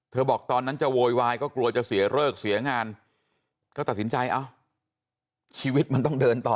บอกตอนนั้นจะโวยวายก็กลัวจะเสียเลิกเสียงานก็ตัดสินใจเอ้าชีวิตมันต้องเดินต่อ